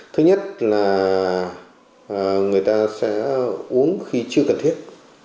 thứ nhất là người ta sẽ uống khi chưa cần thiết